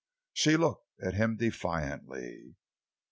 She looked at him defiantly.